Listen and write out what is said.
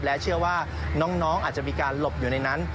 และเชื่อว่าน้องอาจจะมีการหลบอยู่ในนั้น